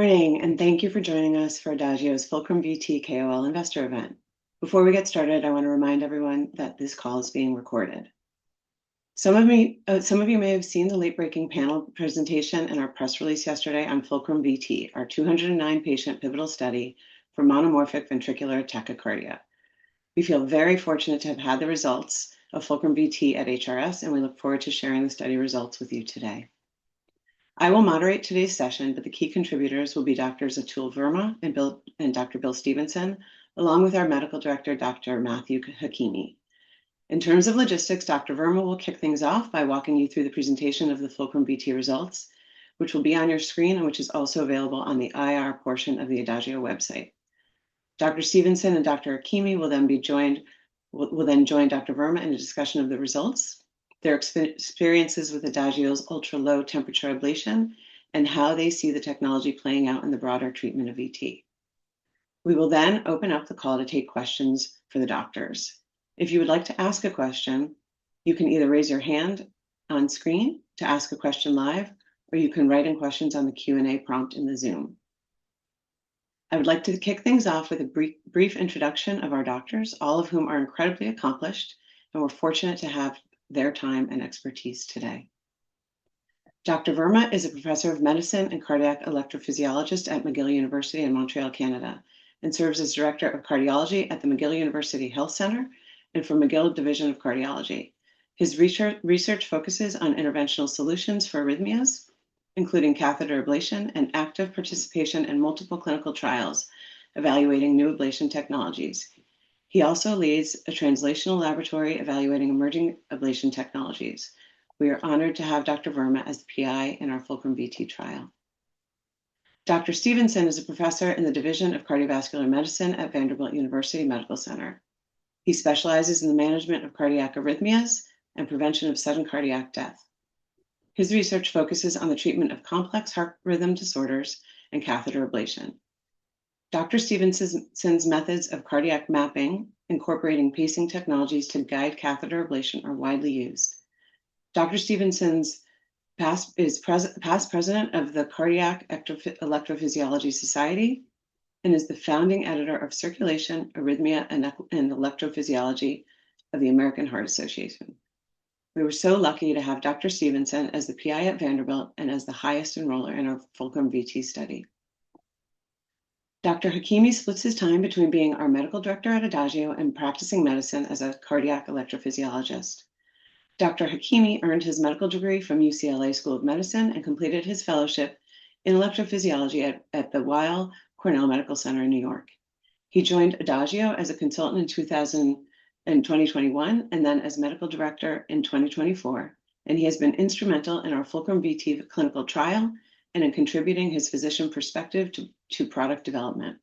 Good morning. Thank you for joining us for Adagio's FULCRUM-VT KOL Investor Event. Before we get started, I want to remind everyone that this call is being recorded. Some of you may have seen the late-breaking panel presentation and our press release yesterday on FULCRUM-VT, our 209-patient pivotal study for monomorphic ventricular tachycardia. We feel very fortunate to have had the results of FULCRUM-VT at HRS, and we look forward to sharing the study results with you today. I will moderate today's session, but the key contributors will be Doctors Atul Verma and Dr. William Stevenson, along with our Medical Director, Dr. Matthew Hakimi. In terms of logistics, Dr. Verma will kick things off by walking you through the presentation of the FULCRUM-VT results, which will be on your screen and which is also available on the IR portion of the Adagio website. Dr. Stevenson and Dr. Hakimi will join Dr. Verma in a discussion of the results, their experiences with Adagio's ultra-low temperature ablation, and how they see the technology playing out in the broader treatment of VT. We will open up the call to take questions for the doctors. If you would like to ask a question, you can either raise your hand on screen to ask a question live, or you can write in questions on the Q&A prompt in the Zoom. I would like to kick things off with a brief introduction of our doctors, all of whom are incredibly accomplished. We're fortunate to have their time and expertise today. Dr. Verma is a Professor of Medicine and Cardiac Electrophysiologist at McGill University in Montreal, Canada, and serves as Director of Cardiology at the McGill University Health Centre and for McGill Division of Cardiology. His research focuses on interventional solutions for arrhythmias, including catheter ablation. Active participation in multiple clinical trials evaluating new ablation technologies. He also leads a translational laboratory evaluating emerging ablation technologies. We are honored to have Dr. Verma as the PI in our FULCRUM-VT trial. Dr. Stevenson is a Professor in the division of cardiovascular medicine at Vanderbilt University Medical Center. He specializes in the management of cardiac arrhythmias and prevention of sudden cardiac death. His research focuses on the treatment of complex heart rhythm disorders and catheter ablation. Dr. Stevenson's methods of cardiac mapping, incorporating pacing technologies to guide catheter ablation, are widely used. Dr. Stevenson is past president of the Cardiac Electrophysiology Society and is the founding editor of Circulation: Arrhythmia and Electrophysiology of the American Heart Association. We were so lucky to have Dr. Stevenson as the PI at Vanderbilt and as the highest enroller in our FULCRUM-VT study. Dr. Hakimi splits his time between being our Medical Director at Adagio and practicing medicine as a cardiac electrophysiologist. Dr. Hakimi earned his medical degree from UCLA School of Medicine and completed his fellowship in electrophysiology at the Weill Cornell Medical Center in New York. He joined Adagio as a consultant in 2021. Then as Medical Director in 2024, he has been instrumental in our FULCRUM-VT clinical trial and in contributing his physician perspective to product development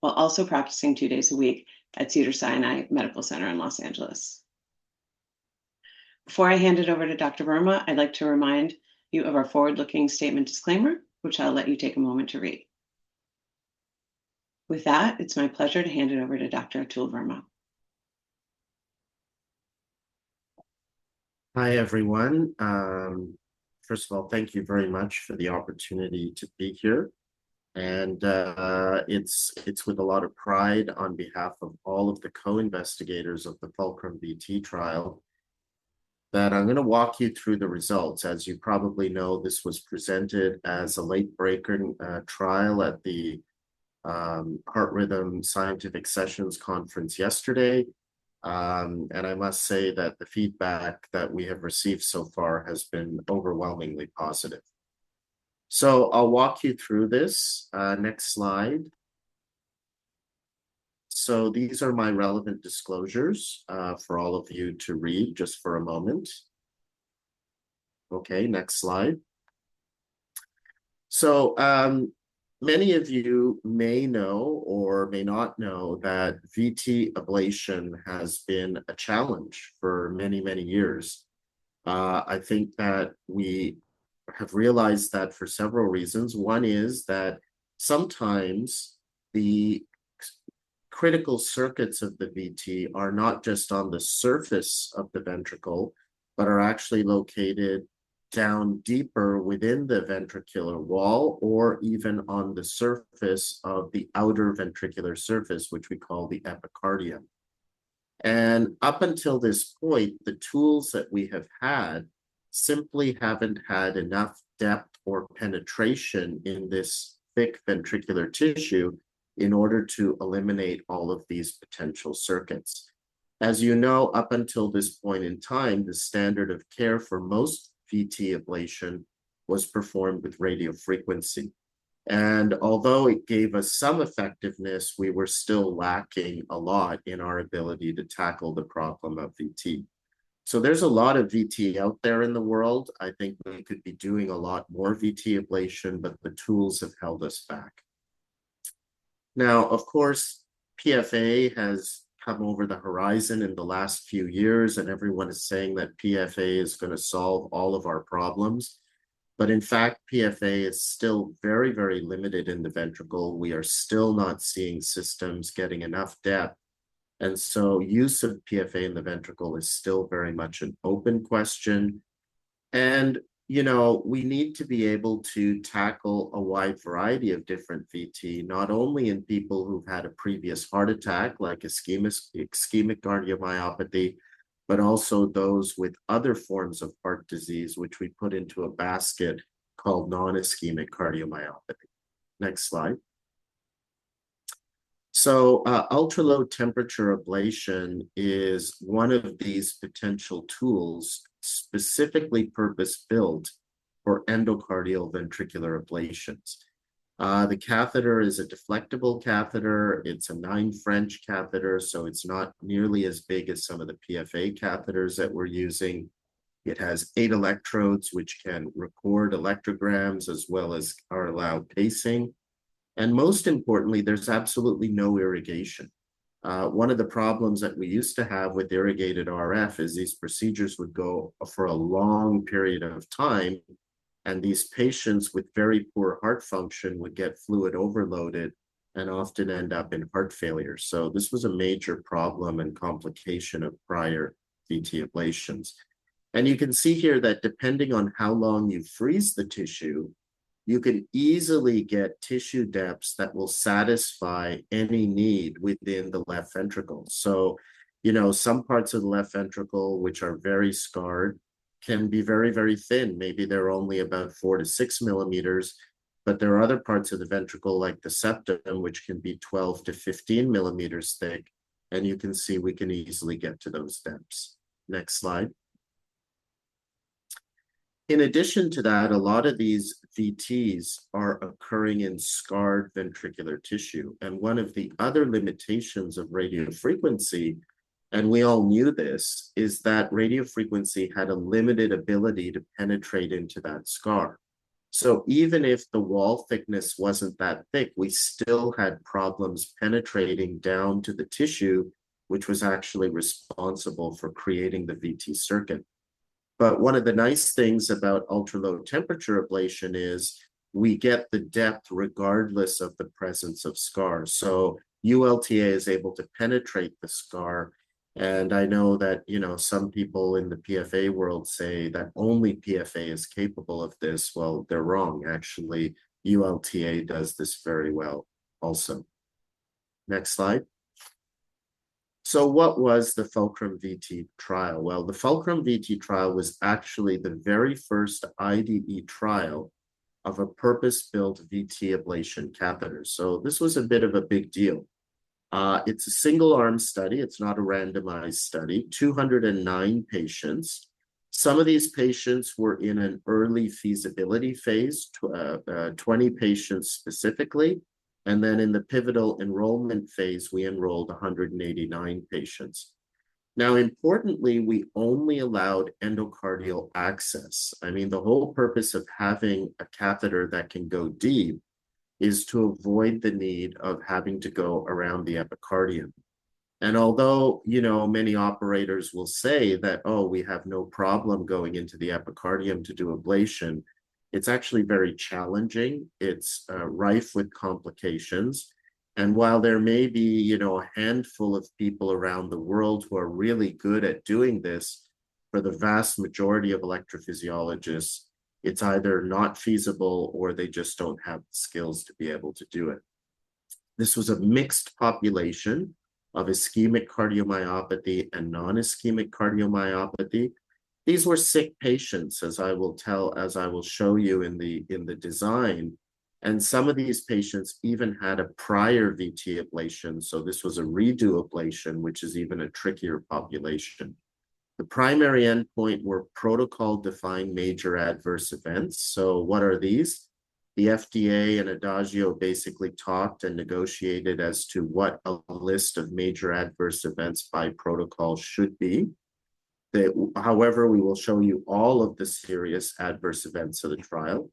while also practicing two days a week at Cedars-Sinai Medical Center in Los Angeles. Before I hand it over to Dr. Verma, I'd like to remind you of our forward-looking statement disclaimer, which I'll let you take a moment to read. With that, it is my pleasure to hand it over to Dr. Atul Verma. Hi, everyone. First of all, thank you very much for the opportunity to be here, and it is with a lot of pride on behalf of all of the co-investigators of the FULCRUM-VT trial that I am going to walk you through the results. As you probably know, this was presented as a late-breaker trial at the Heart Rhythm Scientific Sessions conference yesterday. I must say that the feedback that we have received so far has been overwhelmingly positive. I will walk you through this. Next slide. These are my relevant disclosures for all of you to read just for a moment. Okay, next slide. Many of you may know or may not know that VT ablation has been a challenge for many, many years. I think that we have realized that for several reasons. One is that sometimes the critical circuits of the VT are not just on the surface of the ventricle, but are actually located down deeper within the ventricular wall or even on the surface of the outer ventricular surface, which we call the epicardium. Up until this point, the tools that we have had simply haven't had enough depth or penetration in this thick ventricular tissue in order to eliminate all of these potential circuits. As you know, up until this point in time, the standard of care for most VT ablation was performed with radiofrequency. Although it gave us some effectiveness, we were still lacking a lot in our ability to tackle the problem of VT. There is a lot of VT out there in the world. I think we could be doing a lot more VT ablation, the tools have held us back. Now, of course, PFA has come over the horizon in the last few years, and everyone is saying that PFA is going to solve all of our problems. In fact, PFA is still very, very limited in the ventricle. We are still not seeing systems getting enough depth. Use of PFA in the ventricle is still very much an open question. We need to be able to tackle a wide variety of different VT, not only in people who have had a previous heart attack, like ischemic cardiomyopathy, but also those with other forms of heart disease, which we put into a basket called non-ischemic cardiomyopathy. Next slide. Ultra-low temperature ablation is one of these potential tools specifically purpose-built for endocardial ventricular ablations. The catheter is a deflectable catheter. It's a nine French catheter, so it's not nearly as big as some of the PFA catheters that we're using. It has eight electrodes, which can record electrograms as well as are allowed pacing. And most importantly, there's absolutely no irrigation. One of the problems that we used to have with irrigated RF is these procedures would go for a long period of time, and these patients with very poor heart function would get fluid overloaded and often end up in heart failure. This was a major problem and complication of prior VT ablations. And you can see here that depending on how long you freeze the tissue, you can easily get tissue depths that will satisfy any need within the left ventricle. Some parts of the left ventricle, which are very scarred, can be very thin. Maybe they're only about 4-6 millimeters, but there are other parts of the ventricle, like the septum, which can be 12-15 millimeters thick, and you can see we can easily get to those depths. Next slide. In addition to that, a lot of these VTs are occurring in scarred ventricular tissue. And one of the other limitations of radiofrequency, and we all knew this, is that radiofrequency had a limited ability to penetrate into that scar. So even if the wall thickness wasn't that thick, we still had problems penetrating down to the tissue, which was actually responsible for creating the VT circuit. But one of the nice things about ultra-low temperature ablation is we get the depth regardless of the presence of scars. ULTA is able to penetrate the scar, and I know that some people in the PFA world say that only PFA is capable of this. Well, they're wrong. Actually, ULTA does this very well also. Next slide. So what was the FULCRUM-VT trial? Well, the FULCRUM-VT trial was actually the very first IDE trial of a purpose-built VT ablation catheter. This was a bit of a big deal. It's a single arm study. It's not a randomized study. 209 patients. Some of these patients were in an early feasibility phase, 20 patients specifically. And then in the pivotal enrollment phase, we enrolled 189 patients. Now, importantly, we only allowed endocardial access. The whole purpose of having a catheter that can go deep is to avoid the need of having to go around the epicardium. Although many operators will say that, "Oh, we have no problem going into the epicardium to do ablation," it's actually very challenging. It's rife with complications. And while there may be a handful of people around the world who are really good at doing this, for the vast majority of electrophysiologists, it's either not feasible or they just don't have the skills to be able to do it. This was a mixed population of ischemic cardiomyopathy and non-ischemic cardiomyopathy. These were sick patients, as I will show you in the design, and some of these patients even had a prior VT ablation. This was a redo ablation, which is even a trickier population. The primary endpoint were protocol-defined major adverse events. So what are these? The FDA and Adagio basically talked and negotiated as to what a list of major adverse events by protocol should be. However, we will show you all of the serious adverse events of the trial.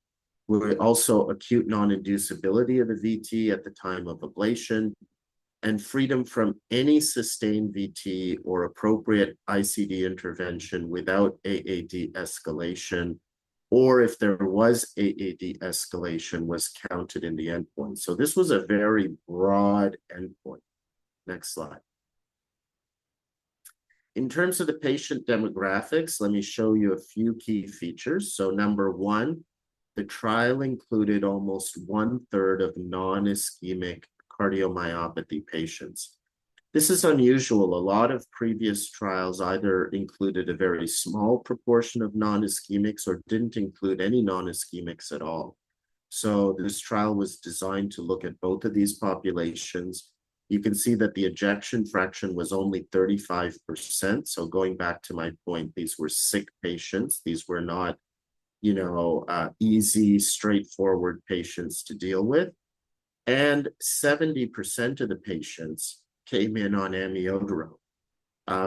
We will also acute non-inducibility of a VT at the time of ablation and freedom from any sustained VT or appropriate ICD intervention without AAD escalation, or if there was AAD escalation was counted in the endpoint. This was a very broad endpoint. Next slide. In terms of the patient demographics, let me show you a few key features. Number one, the trial included almost one-third of non-ischemic cardiomyopathy patients. This is unusual. A lot of previous trials either included a very small proportion of non-ischemics or didn't include any non-ischemics at all. This trial was designed to look at both of these populations. You can see that the ejection fraction was only 35%. Going back to my point, these were sick patients. These were not easy, straightforward patients to deal with. 70% of the patients came in on amiodarone.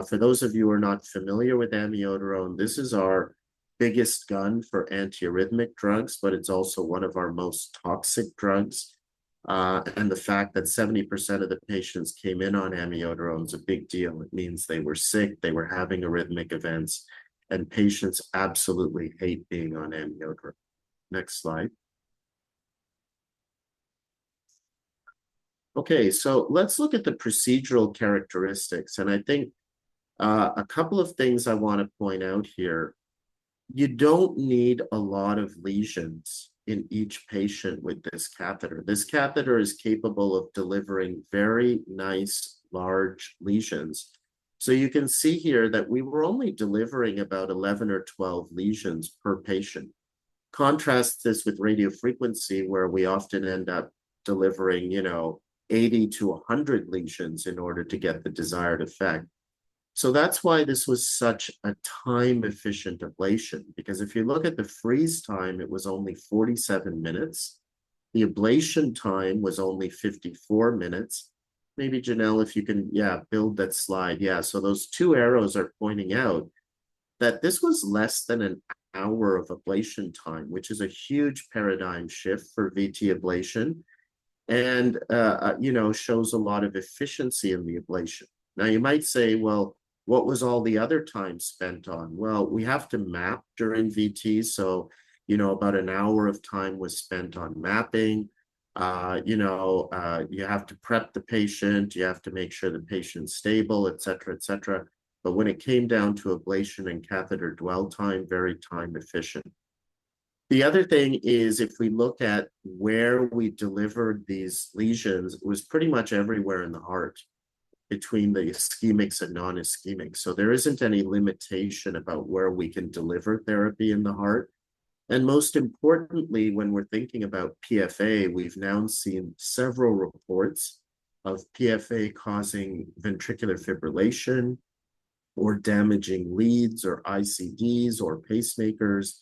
For those of you who are not familiar with amiodarone, this is our biggest gun for antiarrhythmic drugs, but it's also one of our most toxic drugs. The fact that 70% of the patients came in on amiodarone is a big deal. It means they were sick, they were having arrhythmic events, and patients absolutely hate being on amiodarone. Next slide. Okay. Let's look at the procedural characteristics, and I think a couple of things I want to point out here. You don't need a lot of lesions in each patient with this catheter. This catheter is capable of delivering very nice, large lesions. You can see here that we were only delivering about 11 or 12 lesions per patient. Contrast this with radiofrequency, where we often end up delivering 80 to 100 lesions in order to get the desired effect. That's why this was such a time-efficient ablation because if you look at the freeze time, it was only 47 minutes. The ablation time was only 54 minutes. Maybe, Janelle, if you can, yeah, build that slide. Yeah. Those two arrows are pointing out that this was less than an hour of ablation time, which is a huge paradigm shift for VT ablation and shows a lot of efficiency in the ablation. Now, you might say, "Well, what was all the other time spent on?" We have to map during VT, so about an hour of time was spent on mapping. You have to prep the patient. You have to make sure the patient's stable, et cetera. When it came down to ablation and catheter dwell time, very time efficient. The other thing is, if we look at where we delivered these lesions, it was pretty much everywhere in the heart between the ischemic and non-ischemic. There isn't any limitation about where we can deliver therapy in the heart. Most importantly, when we're thinking about PFA, we've now seen several reports of PFA causing ventricular fibrillation or damaging leads or ICDs or pacemakers.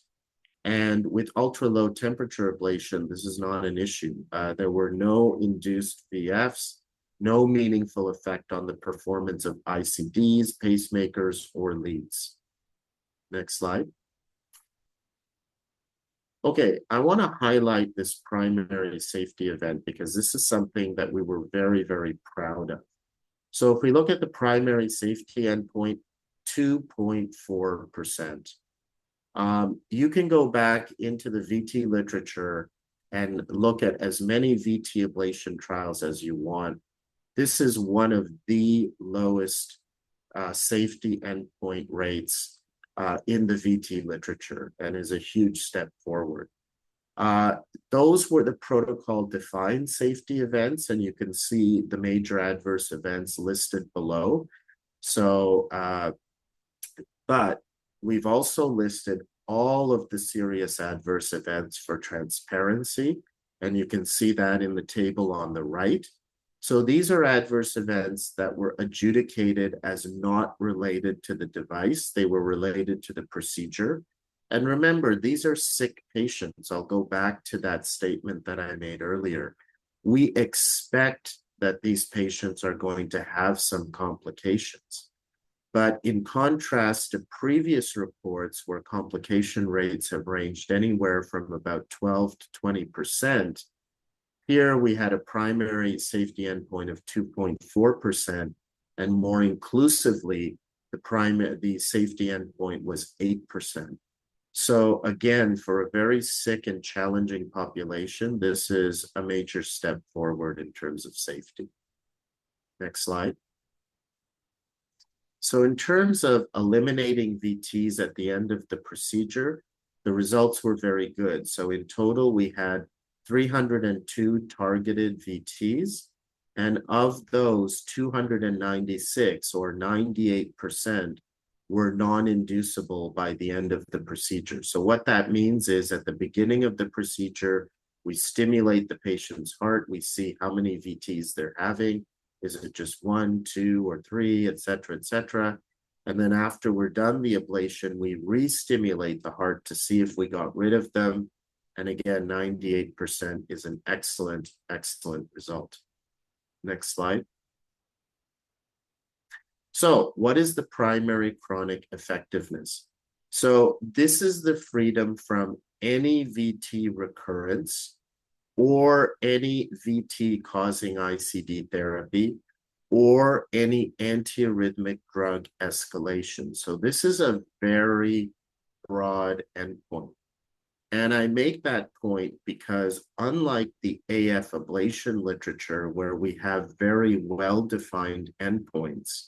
With ultra-low temperature ablation, this is not an issue. There were no induced VFs, no meaningful effect on the performance of ICDs, pacemakers, or leads. Next slide. Okay, I want to highlight this primary safety event because this is something that we were very proud of. If we look at the primary safety endpoint, 2.4%. You can go back into the VT literature and look at as many VT ablation trials as you want. This is one of the lowest safety endpoint rates in the VT literature and is a huge step forward. Those were the protocol-defined safety events, and you can see the major adverse events listed below. We've also listed all of the serious adverse events for transparency, and you can see that in the table on the right. These are adverse events that were adjudicated as not related to the device. They were related to the procedure. Remember, these are sick patients. I'll go back to that statement that I made earlier. We expect that these patients are going to have some complications. In contrast to previous reports where complication rates have ranged anywhere from about 12%-20%, here we had a primary safety endpoint of 2.4%, and more inclusively, the safety endpoint was 8%. Again, for a very sick and challenging population, this is a major step forward in terms of safety. Next slide. In terms of eliminating VTs at the end of the procedure, the results were very good. In total, we had 302 targeted VTs, and of those, 296, or 98%, were non-inducible by the end of the procedure. What that means is, at the beginning of the procedure, we stimulate the patient's heart. We see how many VTs they're having. Is it just one, two, or three, et cetera. After we're done the ablation, we re-stimulate the heart to see if we got rid of them. Again, 98% is an excellent result. Next slide. What is the primary chronic effectiveness? This is the freedom from any VT recurrence or any VT-causing ICD therapy or any antiarrhythmic drug escalation. This is a very broad endpoint. I make that point because unlike the AF ablation literature where we have very well-defined endpoints,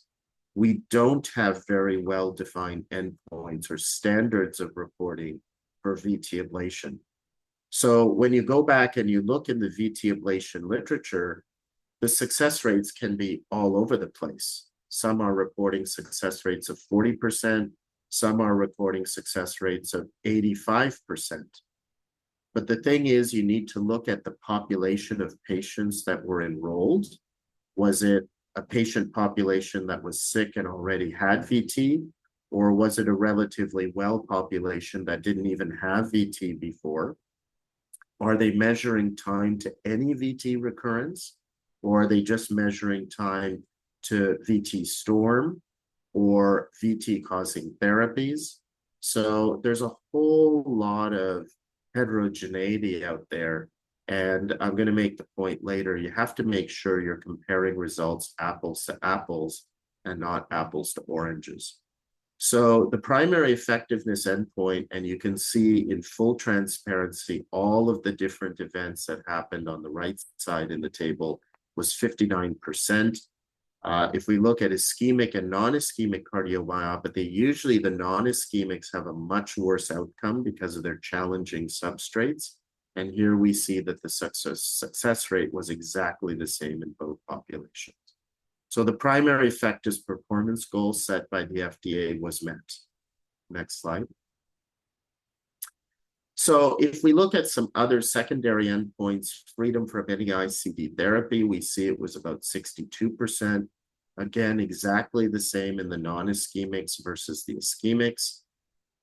we don't have very well-defined endpoints or standards of reporting for VT ablation. When you go back and you look in the VT ablation literature, the success rates can be all over the place. Some are reporting success rates of 40%, some are reporting success rates of 85%. The thing is, you need to look at the population of patients that were enrolled. Was it a patient population that was sick and already had VT, or was it a relatively well population that didn't even have VT before? Are they measuring time to any VT recurrence, or are they just measuring time to VT storm or VT-causing therapies? There's a whole lot of heterogeneity out there, and I'm going to make the point later, you have to make sure you're comparing results apples-to-apples and not apples to oranges. The primary effectiveness endpoint, and you can see in full transparency all of the different events that happened on the right side in the table, was 59%. If we look at ischemic and non-ischemic cardiomyopathy, usually the non-ischemics have a much worse outcome because of their challenging substrates. Here we see that the success rate was exactly the same in both populations. The primary effect is performance goal set by the FDA was met. Next slide. If we look at some other secondary endpoints, freedom from any ICD therapy, we see it was about 62%. Again, exactly the same in the non-ischemics versus the ischemic.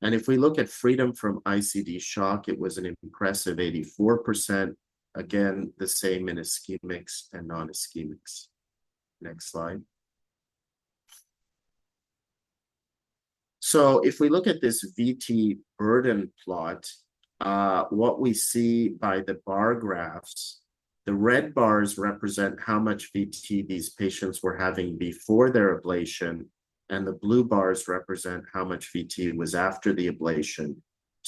If we look at freedom from ICD shock, it was an impressive 84%. Again, the same in ischemic and non-ischemic. Next slide. If we look at this VT burden plot, what we see by the bar graphs, the red bars represent how much VT these patients were having before their ablation, and the blue bars represent how much VT was after the ablation.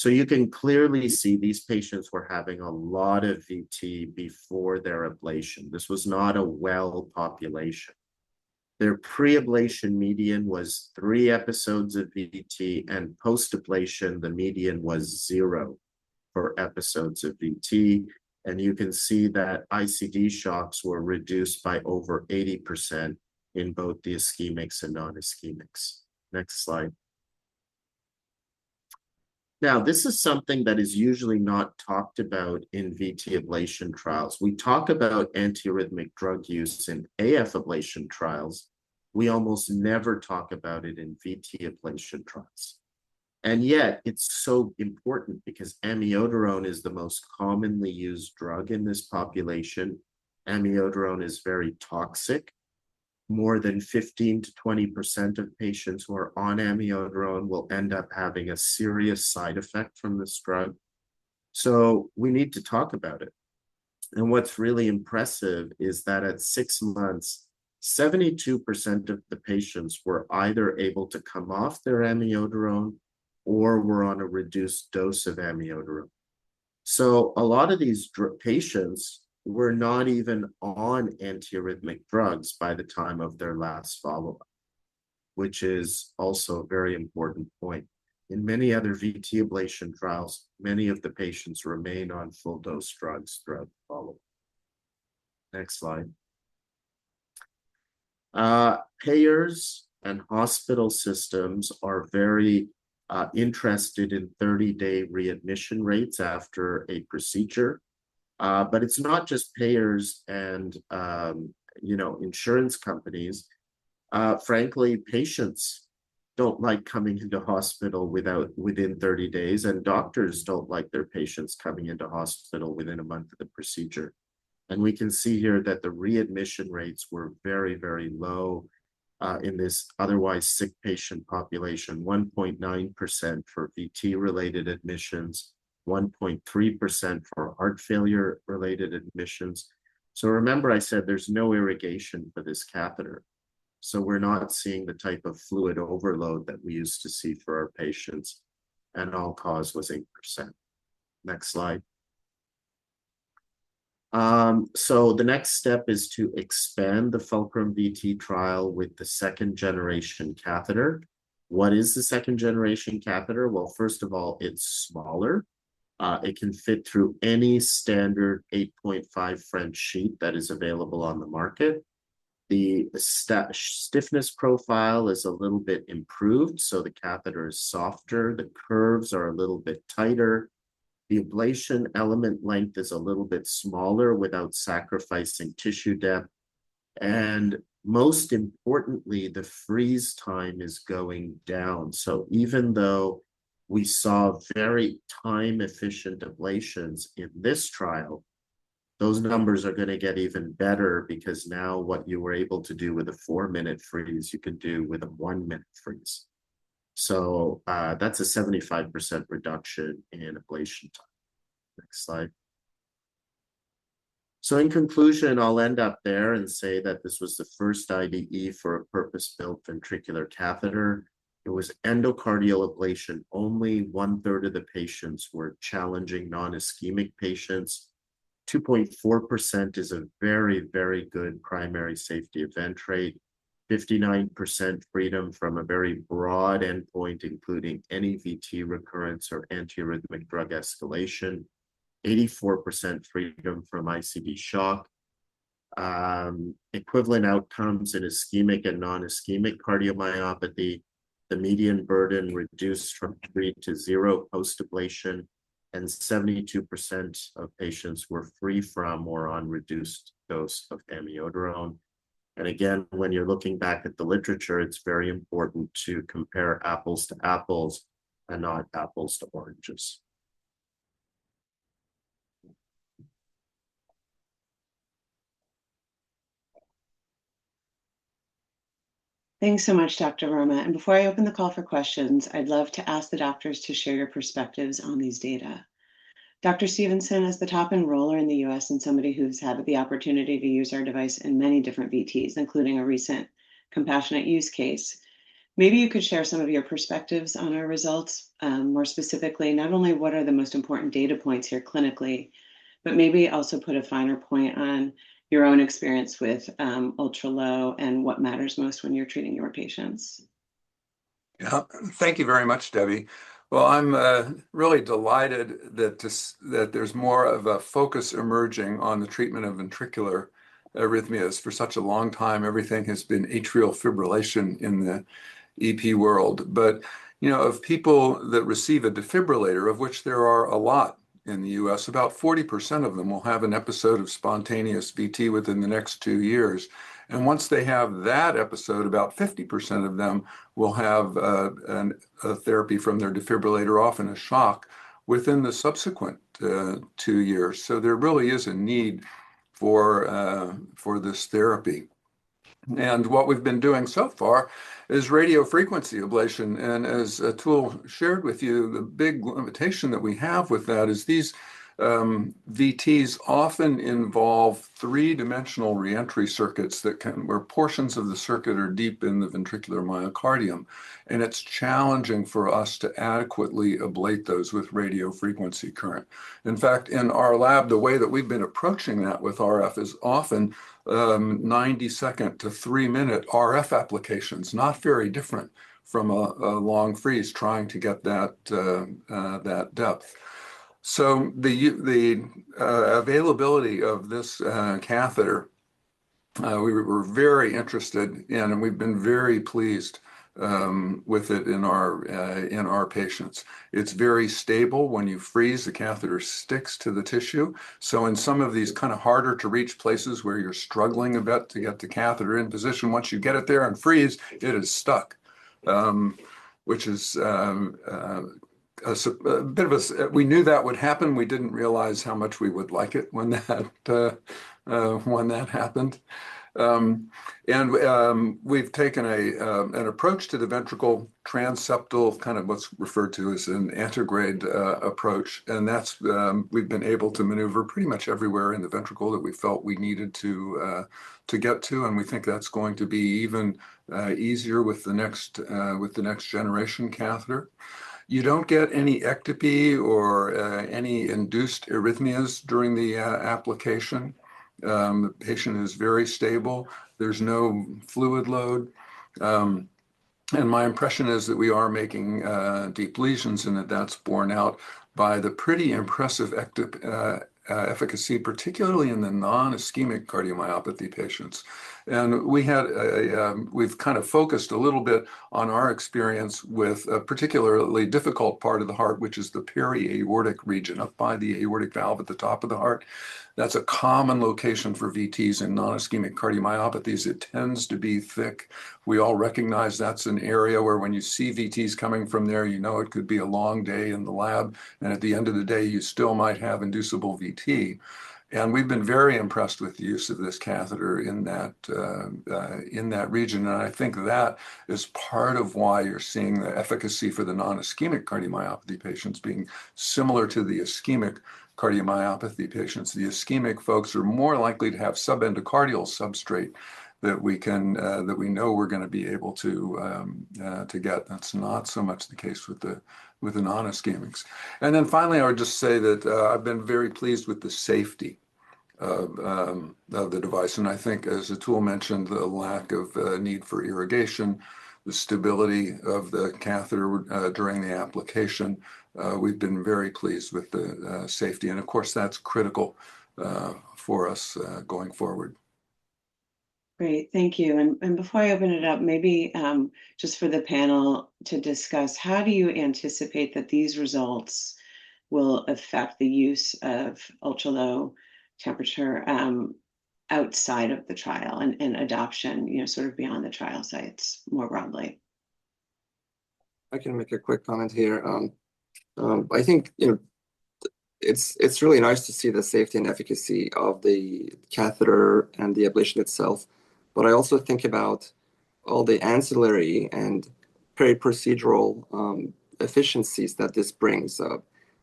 You can clearly see these patients were having a lot of VT before their ablation. This was not a well population. Their pre-ablation median was three episodes of VT, and post-ablation, the median was zero for episodes of VT. You can see that ICD shocks were reduced by over 80% in both the ischemic and non-ischemic. Next slide. Now, this is something that is usually not talked about in VT ablation trials. We talk about antiarrhythmic drug use in AF ablation trials. We almost never talk about it in VT ablation trials. Yet it's so important because amiodarone is the most commonly used drug in this population. Amiodarone is very toxic. More than 15%-20% of patients who are on amiodarone will end up having a serious side effect from this drug. We need to talk about it. What's really impressive is that at six months, 72% of the patients were either able to come off their amiodarone or were on a reduced dose of amiodarone. A lot of these patients were not even on antiarrhythmic drugs by the time of their last follow-up, which is also a very important point. In many other VT ablation trials, many of the patients remain on full-dose drugs throughout follow-up. Next slide. Payers and hospital systems are very interested in 30-day readmission rates after a procedure. It's not just payers and insurance companies. Frankly, patients don't like coming into hospital within 30 days, and doctors don't like their patients coming into hospital within a month of the procedure. We can see here that the readmission rates were very, very low in this otherwise sick patient population, 1.9% for VT-related admissions, 1.3% for heart failure-related admissions. Remember I said there's no irrigation for this catheter, so we're not seeing the type of fluid overload that we used to see for our patients, and all-cause was 8%. Next slide. The next step is to expand the FULCRUM-VT trial with the second-generation catheter. What is the second-generation catheter? Well, first of all, it's smaller. It can fit through any standard 8.5 French sheath that is available on the market. The stiffness profile is a little bit improved, so the catheter is softer. The curves are a little bit tighter. The ablation element length is a little bit smaller without sacrificing tissue depth. Most importantly, the freeze time is going down. Even though we saw very time-efficient ablations in this trial, those numbers are going to get even better because now what you were able to do with a four-minute freeze, you can do with a one-minute freeze. That's a 75% reduction in ablation time. Next slide. In conclusion, I'll end up there and say that this was the first IDE for a purpose-built ventricular catheter. It was endocardial ablation. Only one-third of the patients were challenging non-ischemic patients. 2.4% is a very good primary safety event rate, 59% freedom from a very broad endpoint, including any VT recurrence or antiarrhythmic drug escalation, 84% freedom from ICD shock, equivalent outcomes in ischemic and non-ischemic cardiomyopathy. The median burden reduced from three to zero post-ablation, and 72% of patients were free from or on reduced dose of amiodarone. Again, when you're looking back at the literature, it's very important to compare apples to apples and not apples to oranges. Yeah. Thanks so much, Dr. Verma. Before I open the call for questions, I'd love to ask the doctors to share your perspectives on these data. Dr. Stevenson is the top enroller in the U.S., and somebody who's had the opportunity to use our device in many different VTs, including a recent compassionate use case. Maybe you could share some of your perspectives on our results. More specifically, not only what are the most important data points here clinically, but maybe also put a finer point on your own experience with ultra-low and what matters most when you're treating your patients. Yeah. Thank you very much, Debbie. I'm really delighted that there's more of a focus emerging on the treatment of ventricular arrhythmias. For such a long time, everything has been atrial fibrillation in the EP world. Of people that receive a defibrillator, of which there are a lot in the U.S., about 40% of them will have an episode of spontaneous VT within the next two years. Once they have that episode, about 50% of them will have a therapy from their defibrillator, often a shock, within the subsequent two years. There really is a need for this therapy. What we've been doing so far is radiofrequency ablation. As Atul shared with you, the big limitation that we have with that is these VTs often involve three-dimensional reentry circuits where portions of the circuit are deep in the ventricular myocardium, and it's challenging for us to adequately ablate those with radiofrequency current. In fact, in our lab, the way that we've been approaching that with RF is often 90-second to three-minute RF applications, not very different from a long freeze, trying to get that depth. The availability of this catheter, we were very interested in, and we've been very pleased with it in our patients. It's very stable. When you freeze, the catheter sticks to the tissue. In some of these kind of harder to reach places where you're struggling a bit to get the catheter in position, once you get it there and freeze, it is stuck. We knew that would happen. We didn't realize how much we would like it when that happened. We've taken an approach to the ventricle transseptal, kind of what's referred to as an anterograde approach. We've been able to maneuver pretty much everywhere in the ventricle that we felt we needed to get to, and we think that's going to be even easier with the next generation catheter. You don't get any ectopy or any induced arrhythmias during the application. The patient is very stable. There's no fluid load. My impression is that we are making deep lesions and that that's borne out by the pretty impressive efficacy, particularly in the non-ischemic cardiomyopathy patients. We've kind of focused a little bit on our experience with a particularly difficult part of the heart, which is the periaortic region up by the aortic valve at the top of the heart. That's a common location for VTs in non-ischemic cardiomyopathies. It tends to be thick. We all recognize that's an area where when you see VTs coming from there, you know it could be a long day in the lab, and at the end of the day, you still might have inducible VT. We've been very impressed with the use of this catheter in that region, and I think that is part of why you're seeing the efficacy for the non-ischemic cardiomyopathy patients being similar to the ischemic cardiomyopathy patients. The ischemic folks are more likely to have subendocardial substrate that we know we're going to be able to get. That's not so much the case with the non-ischemics. Then finally, I would just say that I've been very pleased with the safety of the device. I think, as Atul mentioned, the lack of need for irrigation, the stability of the catheter during the application. We've been very pleased with the safety, and of course, that's critical for us going forward. Great. Thank you. Before I open it up, maybe just for the panel to discuss, how do you anticipate that these results will affect the use of ultra-low temperature outside of the trial and in adoption sort of beyond the trial sites more broadly? I can make a quick comment here. I think it's really nice to see the safety and efficacy of the catheter and the ablation itself, but I also think about all the ancillary and very procedural efficiencies that this brings.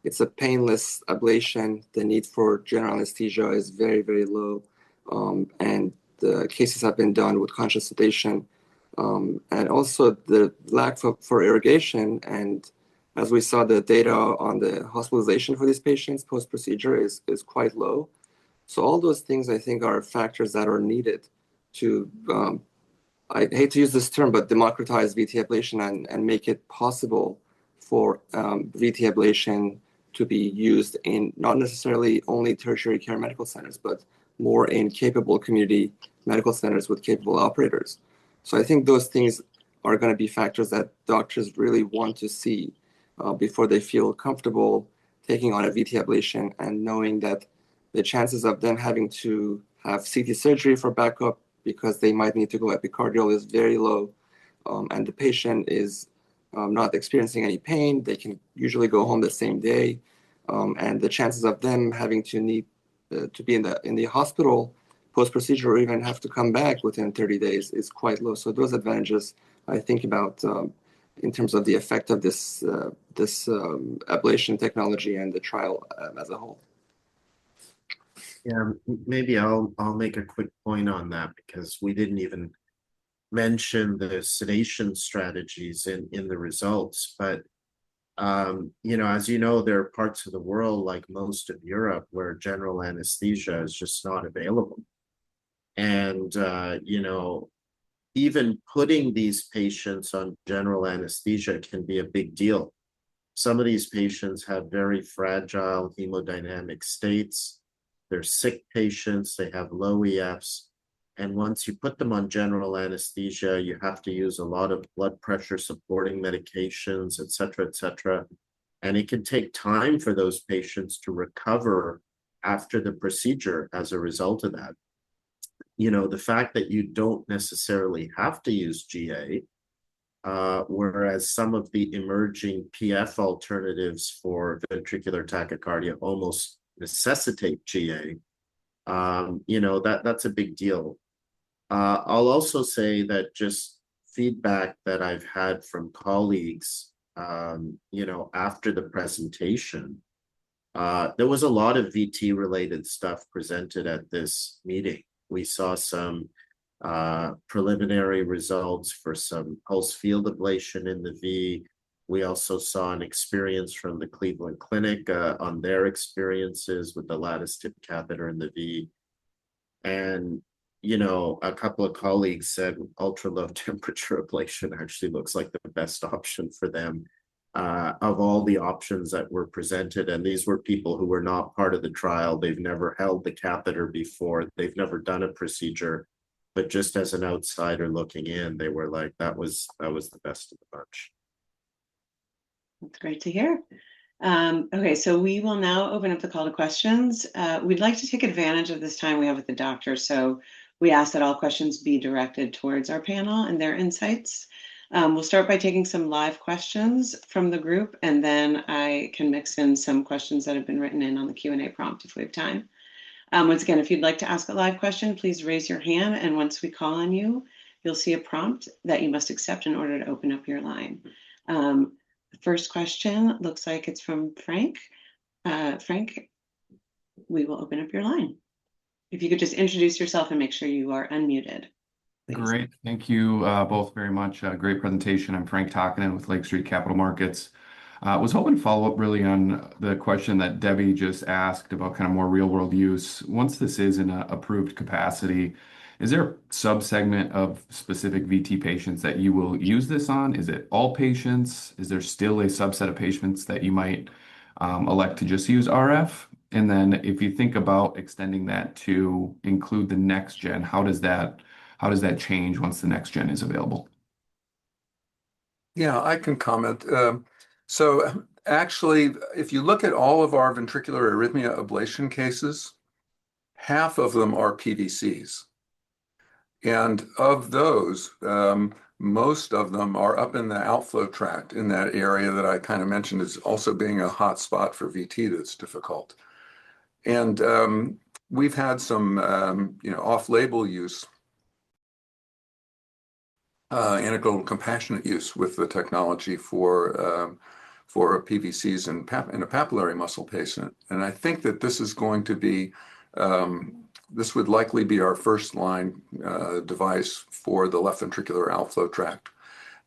It's a painless ablation. The need for general anesthesia is very, very low, and the cases have been done with conscious sedation. Also the lack for irrigation, and as we saw, the data on the hospitalization for these patients post-procedure is quite low. All those things, I think, are factors that are needed to, I hate to use this term, but democratize VT ablation and make it possible for VT ablation to be used in not necessarily only tertiary care medical centers, but more in capable community medical centers with capable operators. I think those things are going to be factors that doctors really want to see before they feel comfortable taking on a VT ablation and knowing that the chances of them having to have CT surgery for backup because they might need to go epicardial is very low. The patient is not experiencing any pain. They can usually go home the same day. The chances of them having to need to be in the hospital post-procedure or even have to come back within 30 days is quite low. Those advantages, I think about in terms of the effect of this ablation technology and the trial as a whole. Yeah. Maybe I'll make a quick point on that because we didn't even mention the sedation strategies in the results. As you know, there are parts of the world, like most of Europe, where general anesthesia is just not available. Even putting these patients on general anesthesia can be a big deal. Some of these patients have very fragile hemodynamic states. They're sick patients. They have low EFs. Once you put them on general anesthesia, you have to use a lot of blood pressure supporting medications, et cetera. It can take time for those patients to recover after the procedure as a result of that. The fact that you don't necessarily have to use GA, whereas some of the emerging PF alternatives for ventricular tachycardia almost necessitate GA, that's a big deal. I'll also say that just feedback that I've had from colleagues after the presentation, there was a lot of VT related stuff presented at this meeting. We saw some preliminary results for some pulsed field ablation in the V. We also saw an experience from the Cleveland Clinic, on their experiences with the lattice-tip catheter in the V. A couple of colleagues said ultra-low temperature ablation actually looks like the best option for them of all the options that were presented. These were people who were not part of the trial. They've never held the catheter before. They've never done a procedure. Just as an outsider looking in, they were like, "That was the best of the bunch. That's great to hear. Okay, we will now open up the call to questions. We'd like to take advantage of this time we have with the doctors, so we ask that all questions be directed towards our panel and their insights. We'll start by taking some live questions from the group, then I can mix in some questions that have been written in on the Q&A prompt if we have time. Once again, if you'd like to ask a live question, please raise your hand, and once we call on you'll see a prompt that you must accept in order to open up your line. First question looks like it's from Frank. Frank, we will open up your line. If you could just introduce yourself and make sure you are unmuted, please. Great. Thank you both very much. Great presentation. I'm Frank Takkinen with Lake Street Capital Markets. I was hoping to follow up really on the question that Debbie just asked about more real-world use. Once this is in an approved capacity, is there a subsegment of specific VT patients that you will use this on? Is it all patients? Is there still a subset of patients that you might elect to just use RF? Then if you think about extending that to include the next gen, how does that change once the next gen is available? Yeah, I can comment. Actually, if you look at all of our ventricular arrhythmia ablation cases, half of them are PVCs. Of those, most of them are up in the outflow tract, in that area that I kind of mentioned as also being a hotspot for VT that's difficult. We've had some off-label use, integral compassionate use with the technology for PVCs in a papillary muscle patient. I think that this would likely be our first line device for the left ventricular outflow tract.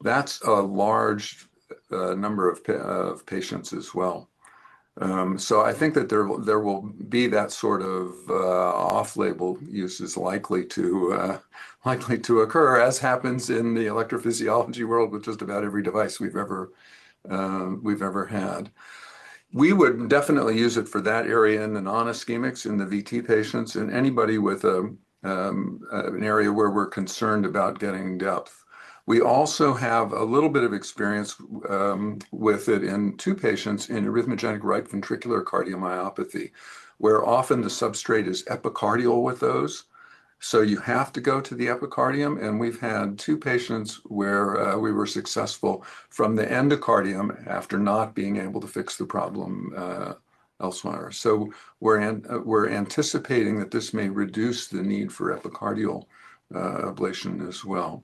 That's a large number of patients as well. I think that there will be that sort of off-label use is likely to occur as happens in the electrophysiology world with just about every device we've ever had. We would definitely use it for that area in the non-ischemics, in the VT patients, in anybody with an area where we're concerned about getting depth. We also have a little bit of experience with it in two patients in arrhythmogenic right ventricular cardiomyopathy, where often the substrate is epicardial with those, so you have to go to the epicardium. We've had two patients where we were successful from the endocardium after not being able to fix the problem elsewhere. We're anticipating that this may reduce the need for epicardial ablation as well.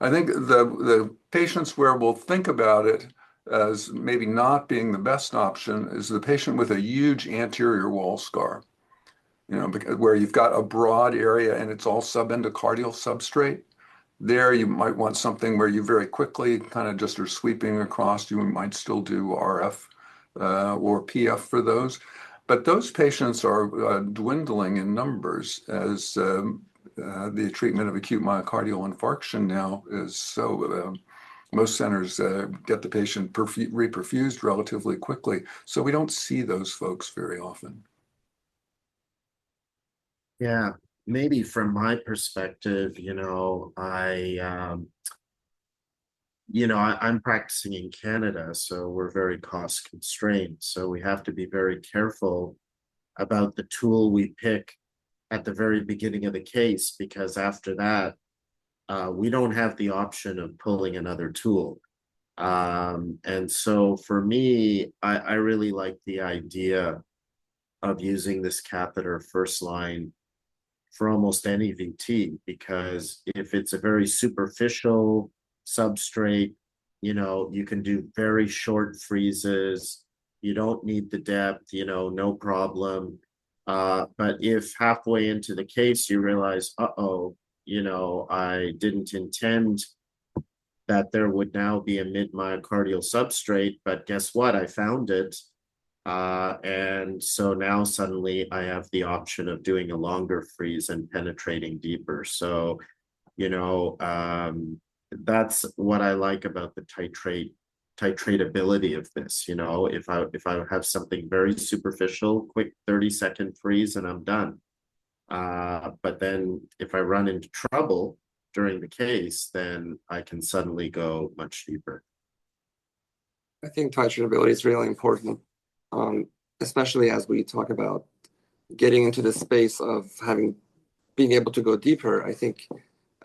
I think the patients where we'll think about it as maybe not being the best option is the patient with a huge anterior wall scar where you've got a broad area and it's all subendocardial substrate. There you might want something where you very quickly kind of just are sweeping across. You might still do RF or PF for those. Those patients are dwindling in numbers as the treatment of acute myocardial infarction now is so most centers get the patient reperfused relatively quickly. We don't see those folks very often. Yeah. Maybe from my perspective, I'm practicing in Canada, we're very cost-constrained. We have to be very careful about the tool we pick at the very beginning of the case, because after that we don't have the option of pulling another tool. For me, I really like the idea of using this catheter first line for almost any VT because if it's a very superficial substrate, you can do very short freezes. You don't need the depth, no problem. If halfway into the case you realize, "Uh-oh. I didn't intend that there would now be a mid myocardial substrate, guess what? I found it." Now suddenly I have the option of doing a longer freeze and penetrating deeper. That's what I like about the titrate ability of this. If I have something very superficial, quick 30-second freeze and I'm done. If I run into trouble during the case, I can suddenly go much deeper. I think titrate ability is really important, especially as we talk about getting into the space of being able to go deeper. I think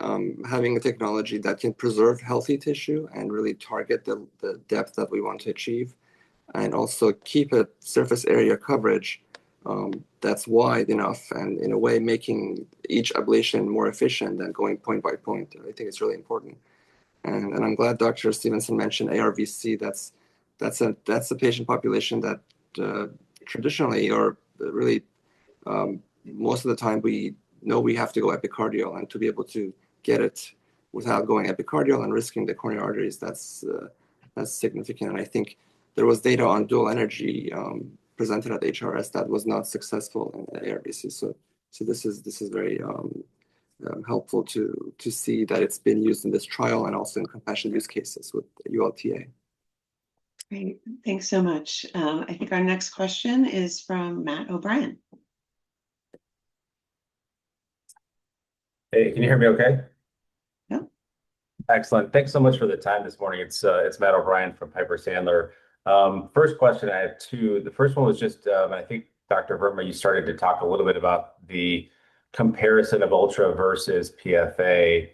having a technology that can preserve healthy tissue and really target the depth that we want to achieve, also keep a surface area coverage that's wide enough, and in a way making each ablation more efficient than going point by point. I think it's really important. I'm glad Dr. Stevenson mentioned ARVC. That's a patient population that traditionally, or really most of the time we know we have to go epicardial, and to be able to get it without going epicardial and risking the coronary arteries, that's significant. I think there was data on dual-energy presented at HRS that was not successful in ARVC. This is very helpful to see that it's been used in this trial and also in compassionate use cases with ULTA. Great. Thanks so much. I think our next question is from Matt O'Brien. Hey, can you hear me okay? Yep. Excellent. Thanks so much for the time this morning. It's Matt O'Brien from Piper Sandler. First question, I have two. The first one was just, I think Dr. Verma you started to talk a little bit about the comparison of ULTA versus PFA.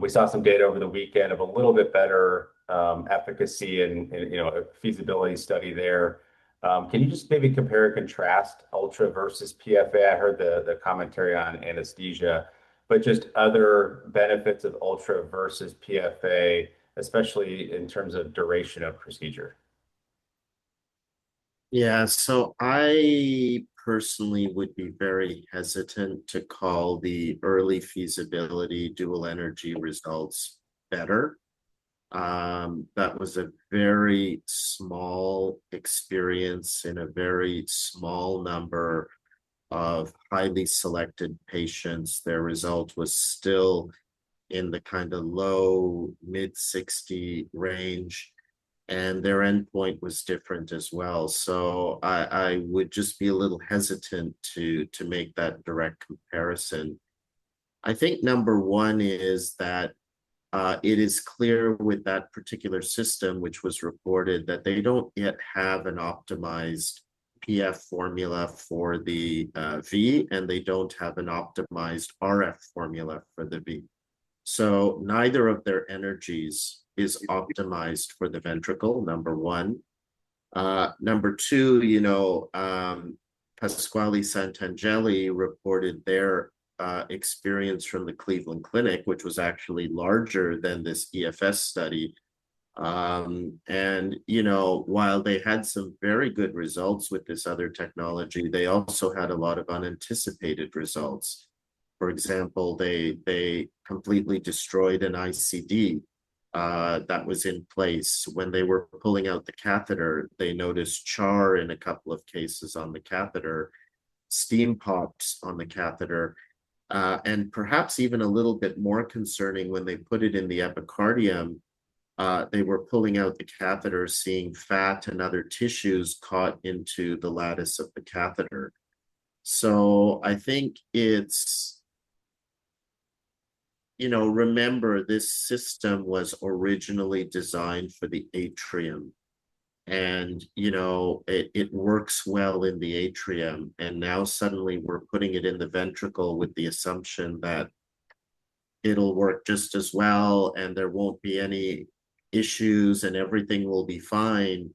We saw some data over the weekend of a little bit better efficacy and a feasibility study there. Can you just maybe compare or contrast ULTA versus PFA? I heard the commentary on anesthesia, but just other benefits of ULTA versus PFA, especially in terms of duration of procedure. Yeah. I personally would be very hesitant to call the early feasibility dual-energy results better. That was a very small experience in a very small number of highly selected patients. Their result was still in the low mid 60 range, and their endpoint was different as well. I would just be a little hesitant to make that direct comparison. I think number one is that it is clear with that particular system which was reported, that they don't yet have an optimized PF formula for the V, and they don't have an optimized RF formula for the B. Neither of their energies is optimized for the ventricle, number one. Number two, Pasquale Santangeli reported their experience from the Cleveland Clinic, which was actually larger than this EFS study. While they had some very good results with this other technology, they also had a lot of unanticipated results. For example, they completely destroyed an ICD that was in place. When they were pulling out the catheter, they noticed char in a couple of cases on the catheter, steam pops on the catheter. Perhaps even a little bit more concerning when they put it in the epicardium, they were pulling out the catheter, seeing fat and other tissues caught into the lattice of the catheter. I think remember this system was originally designed for the atrium, and it works well in the atrium. Now suddenly we're putting it in the ventricle with the assumption that it'll work just as well, and there won't be any issues, and everything will be fine.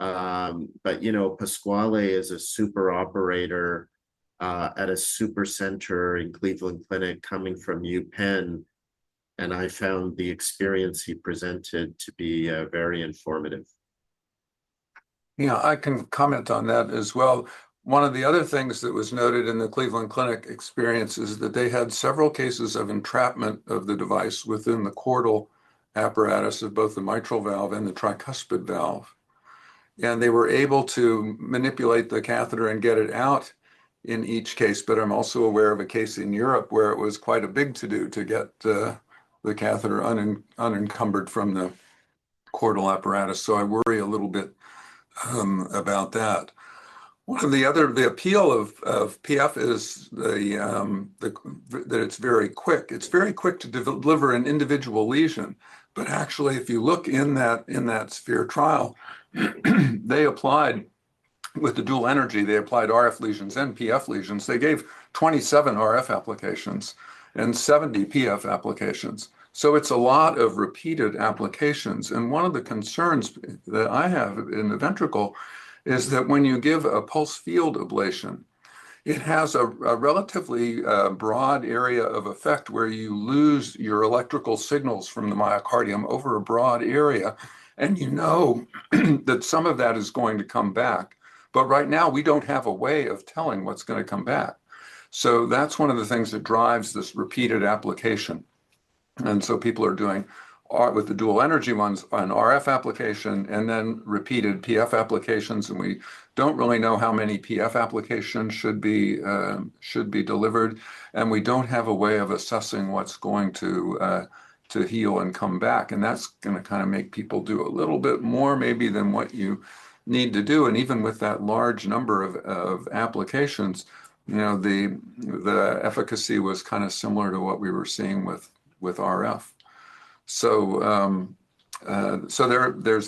Pasquale is a super operator at a super center in Cleveland Clinic coming from UPenn, and I found the experience he presented to be very informative. I can comment on that as well. One of the other things that was noted in the Cleveland Clinic experience is that they had several cases of entrapment of the device within the chordal apparatus of both the mitral valve and the tricuspid valve. They were able to manipulate the catheter and get it out in each case. I'm also aware of a case in Europe where it was quite a big to-do to get the catheter unencumbered from the chordal apparatus. I worry a little bit about that. One of the other appeal of PF is that it's very quick. It's very quick to deliver an individual lesion. Actually, if you look in that SPHERE trial, they applied with the dual-energy, they applied RF lesions and PF lesions. They gave 27 RF applications and 70 PF applications. It's a lot of repeated applications. One of the concerns that I have in the ventricle is that when you give a pulse field ablation, it has a relatively broad area of effect where you lose your electrical signals from the myocardium over a broad area, you know that some of that is going to come back. Right now, we don't have a way of telling what's going to come back. That's one of the things that drives this repeated application. People are doing, with the dual-energy ones, an RF application and then repeated PF applications, we don't really know how many PF applications should be delivered, we don't have a way of assessing what's going to heal and come back. That's going to make people do a little bit more maybe than what you need to do. Even with that large number of applications, the efficacy was kind of similar to what we were seeing with RF. There's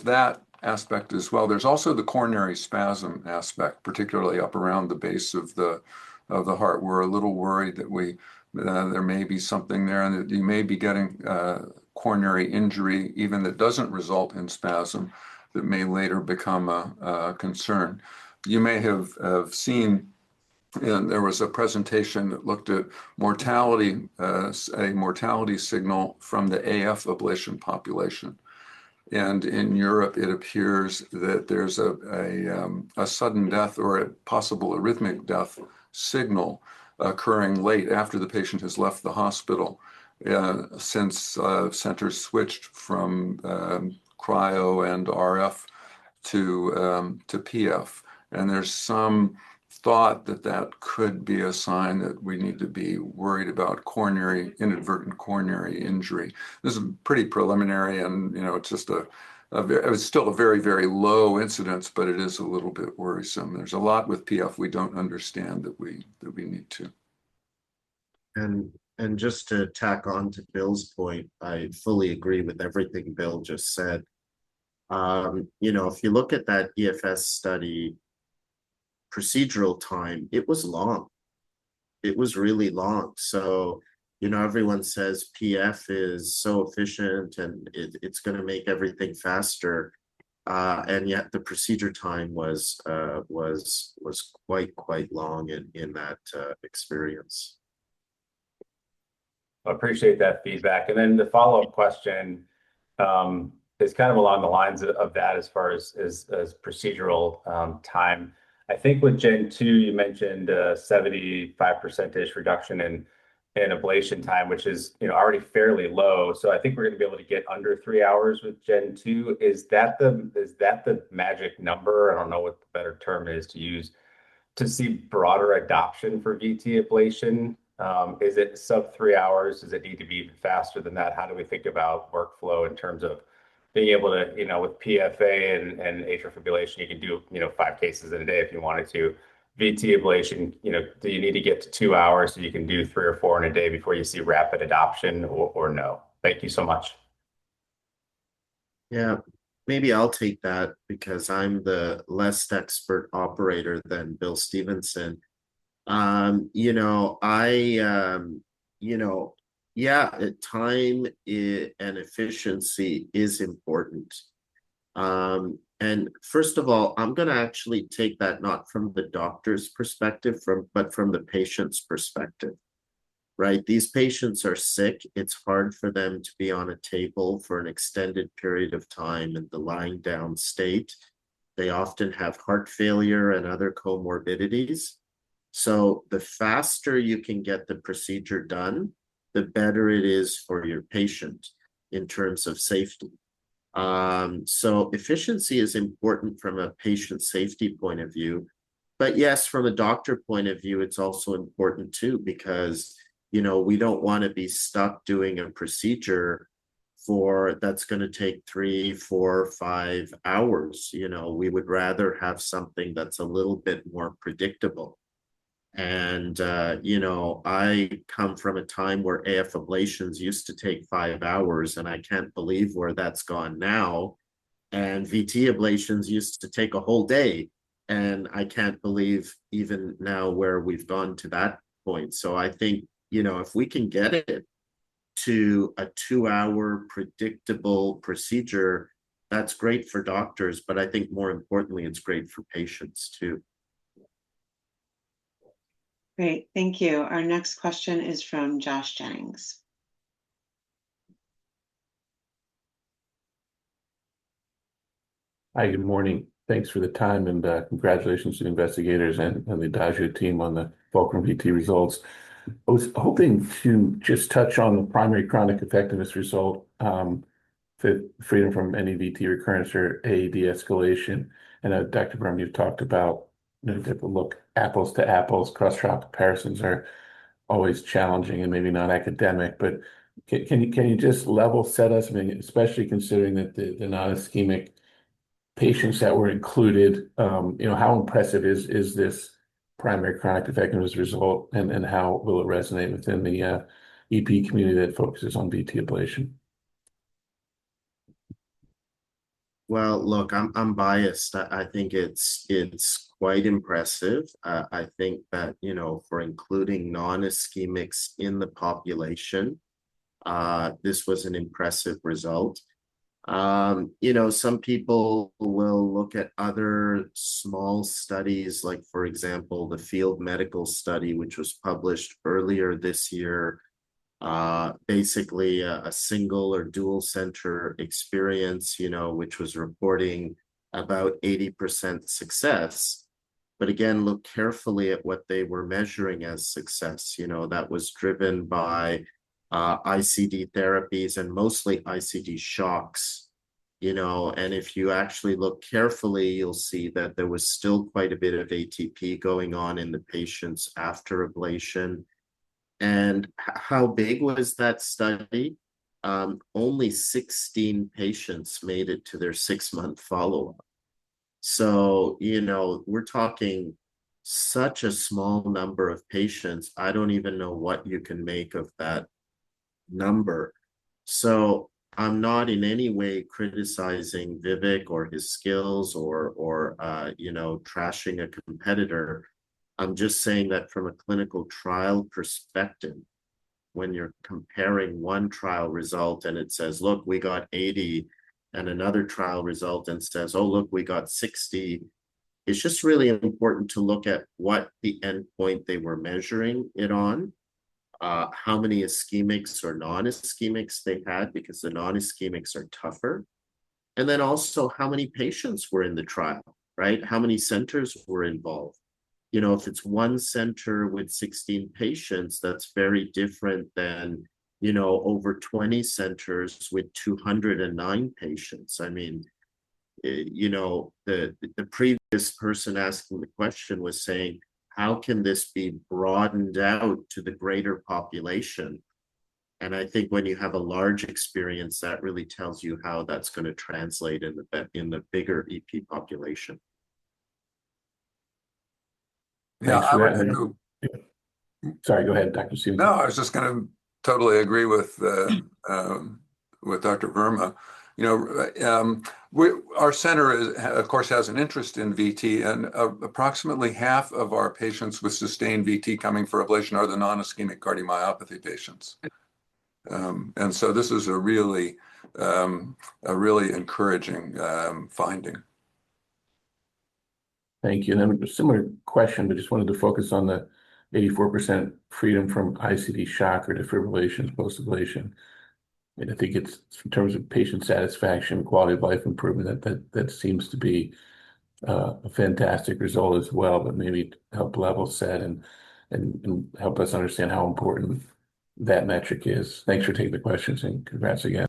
that aspect as well. There's also the coronary spasm aspect, particularly up around the base of the heart. We're a little worried that there may be something there, that you may be getting coronary injury even that doesn't result in spasm, that may later become a concern. You may have seen there was a presentation that looked at a mortality signal from the AF ablation population. In Europe, it appears that there's a sudden death or a possible arrhythmic death signal occurring late after the patient has left the hospital since centers switched from cryo and RF to PF. There's some thought that that could be a sign that we need to be worried about inadvertent coronary injury. This is pretty preliminary, it's still a very, very low incidence, it is a little bit worrisome. There's a lot with PF we don't understand that we need to. Just to tack on to William Stevenson point, I fully agree with everything Bill just said. If you look at that EFS study procedural time, it was long. It was really long. Everyone says PF is so efficient, it's going to make everything faster, yet the procedure time was quite long in that experience. I appreciate that feedback. The follow-up question is kind of along the lines of that as far as procedural time. I think with Gen 2, you mentioned a 75% reduction in ablation time, which is already fairly low. I think we're going to be able to get under three hours with Gen 2. Is that the magic number, I don't know what the better term is to use, to see broader adoption for VT ablation? Is it sub three hours? Does it need to be even faster than that? How do we think about workflow in terms of being able to, with PFA and atrial fibrillation, you can do five cases in a day if you wanted to. VT ablation, do you need to get to two hours so you can do three or four in a day before you see rapid adoption, or no? Thank you so much. Maybe I'll take that because I'm the less expert operator than William Stevenson. Time and efficiency is important. First of all, I'm going to actually take that not from the doctor's perspective, but from the patient's perspective. Right? These patients are sick. It's hard for them to be on a table for an extended period of time in the lying down state. They often have heart failure and other comorbidities. The faster you can get the procedure done, the better it is for your patient in terms of safety. Efficiency is important from a patient safety point of view. Yes, from a doctor point of view, it's also important too, because we don't want to be stuck doing a procedure that's going to take three, four, five hours. We would rather have something that's a little bit more predictable. I come from a time where AF ablations used to take five hours, I can't believe where that's gone now. VT ablations used to take a whole day, I can't believe even now where we've gone to that point. I think, if we can get it to a two-hour predictable procedure, that's great for doctors, but I think more importantly, it's great for patients too. Great. Thank you. Our next question is from Josh Jennings. Hi, good morning. Thanks for the time, congratulations to the investigators and the Adagio team on the FULCRUM-VT results. I was hoping to just touch on the primary chronic effectiveness result, freedom from any VT recurrence or AAD escalation. Dr. Verma, you've talked about if we look apples to apples, cross-trial comparisons are always challenging and maybe not academic. Can you just level set us, especially considering that the non-ischemic patients that were included, how impressive is this primary chronic effectiveness result, and how will it resonate within the EP community that focuses on VT ablation? Well, look, I'm biased. I think it's quite impressive. I think that for including non-ischemics in the population, this was an impressive result. Some people will look at other small studies, like for example, the FIELD medical study, which was published earlier this year. Basically, a single or dual center experience, which was reporting about 80% success. Again, look carefully at what they were measuring as success. That was driven by ICD therapies and mostly ICD shocks. If you actually look carefully, you'll see that there was still quite a bit of ATP going on in the patients after ablation. How big was that study? Only 16 patients made it to their six-month follow-up. We're talking such a small number of patients, I don't even know what you can make of that number. I'm not in any way criticizing Vivek or his skills or trashing a competitor. I'm just saying that from a clinical trial perspective, when you're comparing one trial result and it says, "Look, we got 80," another trial result and says, "Oh look, we got 60," it's just really important to look at what the endpoint they were measuring it on, how many ischemic or non-ischemic they had, because the non-ischemic are tougher, then also how many patients were in the trial. How many centers were involved? If it's one center with 16 patients, that's very different than over 20 centers with 209 patients. The previous person asking the question was saying, "How can this be broadened out to the greater population?" I think when you have a large experience, that really tells you how that's going to translate in the bigger EP population. Yeah. Thanks, Atul. Sorry, go ahead, Dr. Stevenson. No, I was just going to totally agree with Dr. Verma. Our center, of course, has an interest in VT, approximately half of our patients with sustained VT coming for ablation are the non-ischemic cardiomyopathy patients. This is a really encouraging finding. Thank you. A similar question, just wanted to focus on the 84% freedom from ICD shock or defibrillation, post-ablation. I think it's, in terms of patient satisfaction, quality of life improvement, that seems to be a fantastic result as well. Maybe help level set and help us understand how important that metric is. Thanks for taking the questions, and congrats again.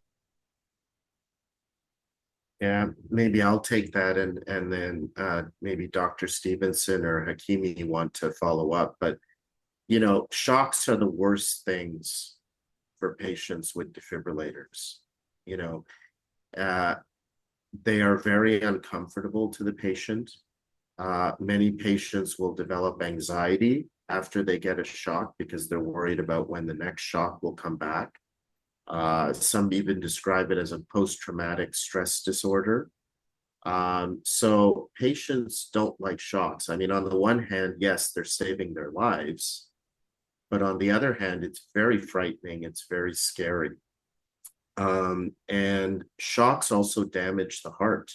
Maybe I'll take that, and then maybe Dr. Stevenson or Hakimi want to follow up. Shocks are the worst things for patients with defibrillators. They are very uncomfortable to the patient. Many patients will develop anxiety after they get a shock because they're worried about when the next shock will come back. Some even describe it as a post-traumatic stress disorder. Patients don't like shocks. On the one hand, yes, they're saving their lives. On the other hand, it's very frightening. It's very scary. Shocks also damage the heart.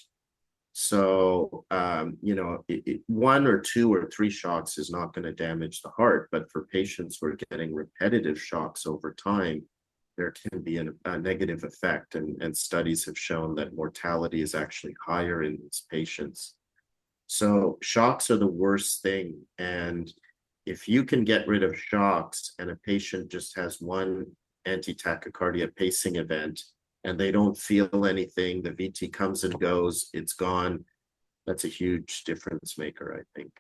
One or two or three shocks is not going to damage the heart, but for patients who are getting repetitive shocks over time, there can be a negative effect, and studies have shown that mortality is actually higher in these patients. Shocks are the worst thing, and if you can get rid of shocks and a patient just has one anti-tachycardia pacing event, and they don't feel anything, the VT comes and goes, it's gone, that's a huge difference-maker, I think.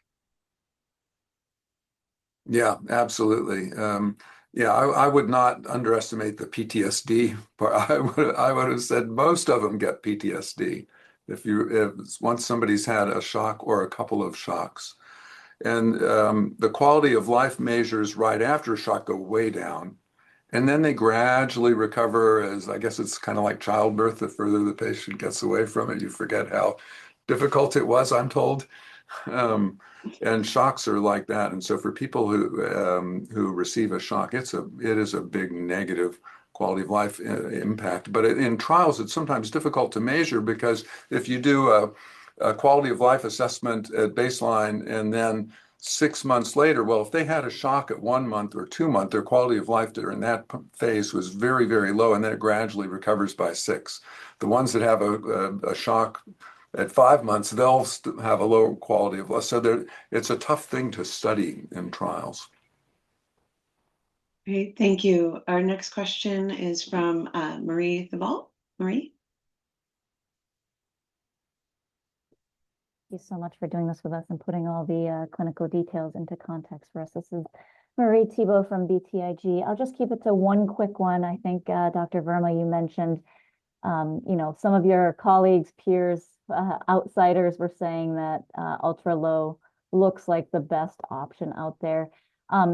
Absolutely. I would not underestimate the PTSD part. I would have said most of them get PTSD once somebody's had a shock or a couple of shocks. The quality of life measures right after a shock go way down, and then they gradually recover as, I guess it's kind of like childbirth. The further the patient gets away from it, you forget how difficult it was, I'm told. Shocks are like that. For people who receive a shock, it is a big negative quality of life impact. In trials, it's sometimes difficult to measure because if you do a quality of life assessment at baseline and then six months later, well, if they had a shock at one month or two month, their quality of life during that phase was very low, and then it gradually recovers by six. The ones that have a shock at five months, they'll have a low quality of life. It's a tough thing to study in trials. Great. Thank you. Our next question is from Marie Thibault. Marie? Thank you so much for doing this with us and putting all the clinical details into context for us. This is Marie Thibault from BTIG. I'll just keep it to one quick one. I think, Dr. Verma, you mentioned, some of your colleagues, peers, outsiders were saying that ultra-low looks like the best option out there.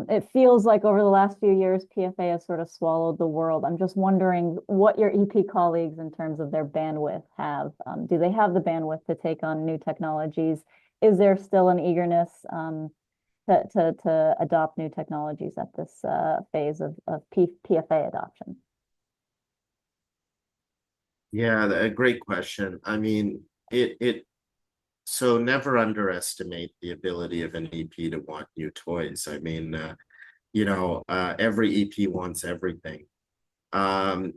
It feels like over the last few years, PFA has sort of swallowed the world. I'm just wondering what your EP colleagues, in terms of their bandwidth, have. Do they have the bandwidth to take on new technologies? Is there still an eagerness to adopt new technologies at this phase of PFA adoption? Yeah. A great question. Never underestimate the ability of an EP to want new toys. Every EP wants everything. To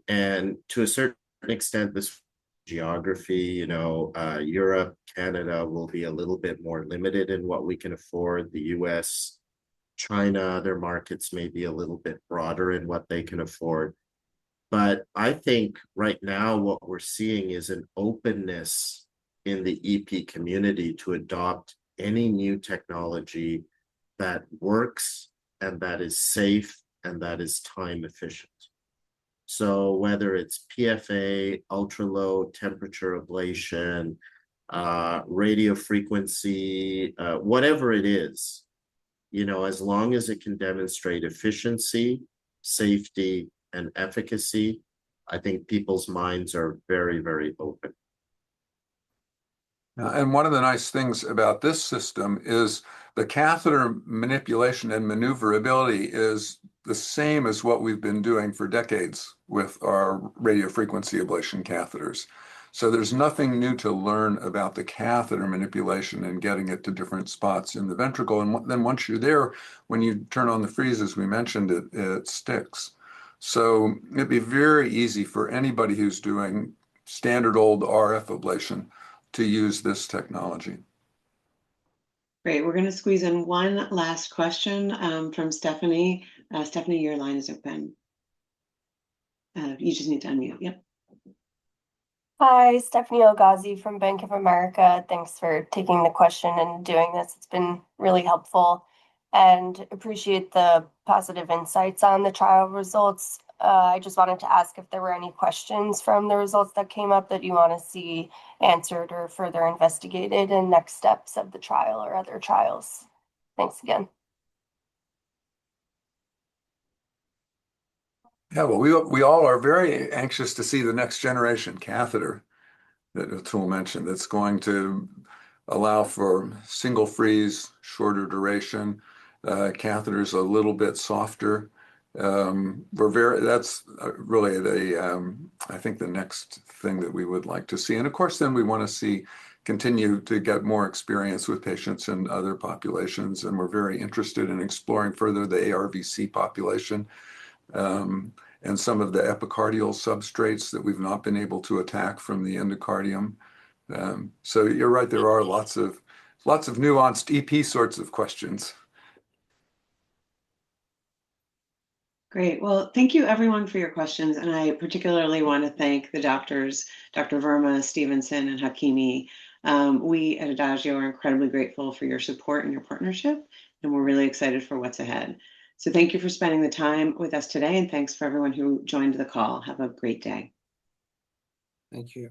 a certain extent, this geography, Europe, Canada, will be a little bit more limited in what we can afford. The U.S., China, their markets may be a little bit broader in what they can afford. I think right now what we're seeing is an openness in the EP community to adopt any new technology that works, and that is safe, and that is time efficient. Whether it's PFA, ultra-low temperature ablation, radiofrequency, whatever it is, as long as it can demonstrate efficiency, safety, and efficacy, I think people's minds are very, very open. One of the nice things about this system is the catheter manipulation and maneuverability is the same as what we've been doing for decades with our radiofrequency ablation catheters. There's nothing new to learn about the catheter manipulation and getting it to different spots in the ventricle. Then once you're there, when you turn on the freeze, as we mentioned, it sticks. It'd be very easy for anybody who's doing standard old RF ablation to use this technology. Great. We're going to squeeze in one last question from Stephanie. Stephanie, your line is open. You just need to unmute, yep. Hi, Stephanie Algazi from Bank of America. Thanks for taking the question and doing this. It's been really helpful. Appreciate the positive insights on the trial results. I just wanted to ask if there were any questions from the results that came up that you want to see answered or further investigated in next steps of the trial or other trials. Thanks again. Yeah. Well, we all are very anxious to see the next generation catheter that Atul mentioned, that's going to allow for single freeze, shorter duration, catheters a little bit softer. That's really, I think, the next thing that we would like to see. Of course, we want to continue to get more experience with patients in other populations, and we're very interested in exploring further the ARVC population, and some of the epicardial substrates that we've not been able to attack from the endocardium. You're right, there are lots of nuanced EP sorts of questions. Great. Well, thank you everyone for your questions, I particularly want to thank the doctors, Dr. Verma, Stevenson, and Hakimi. We at Adagio are incredibly grateful for your support and your partnership, we're really excited for what's ahead. Thank you for spending the time with us today, thanks for everyone who joined the call. Have a great day. Thank you.